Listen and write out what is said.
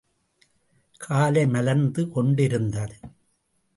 காலை மலர்ந்து கொண்டிருந்தது.